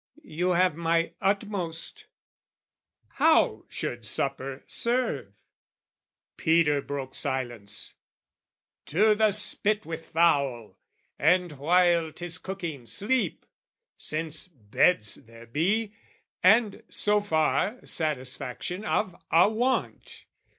"You have my utmost." How should supper serve? Peter broke silence. "To the spit with fowl! "And while 'tis cooking, sleep! since beds there be, "And, so far, satisfaction of a want.